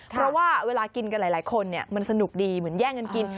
เพราะว่าเวลากินกันหลายคนมันสนุกดีเหมือนแย่งกันกิน